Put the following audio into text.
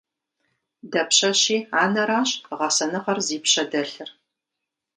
Дапщэщи анэращ гъэсэныгъэр зи пщэ дэлъыр.